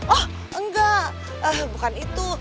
oh enggak bukan itu